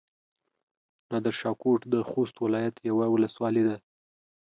نادرشاه کوټ د خوست ولايت يوه ولسوالي ده.